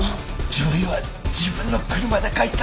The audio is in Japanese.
女医は自分の車で帰った。